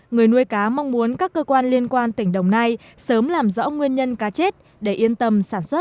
người nuôi cá mong muốn các cơ quan liên quan tỉnh đồng nai sớm làm rõ nguyên nhân cá chết để yên tâm sản xuất